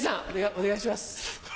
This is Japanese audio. お願いします。